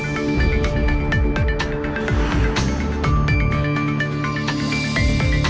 hẹn gặp lại